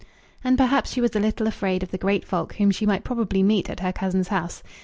And perhaps she was a little afraid of the great folk whom she might probably meet at her cousin's house.